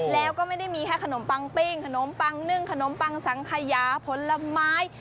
แล้วก็ไม่ได้มีแค่ขนมปังปิ้งขนมปังนึ่งขนมปังสังขยาผลไม้